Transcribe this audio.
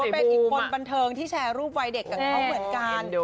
เป็นอีกคนบันเทิงที่แชร์รูปวัยเด็กกับเขาเหมือนกัน